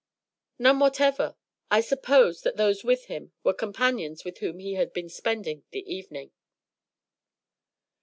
"None whatever. I supposed that those with him were companions with whom he had been spending the evening."